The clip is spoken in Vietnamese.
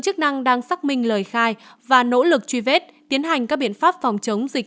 chức năng đang xác minh lời khai và nỗ lực truy vết tiến hành các biện pháp phòng chống dịch